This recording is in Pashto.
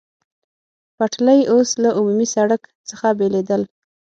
پټلۍ اوس له عمومي سړک څخه بېلېدل.